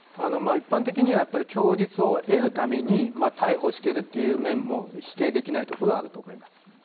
一般的には供述を得るために逮捕している面も否定できないところはあると思います。